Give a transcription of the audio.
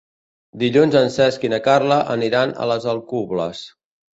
Dilluns en Cesc i na Carla aniran a les Alcubles.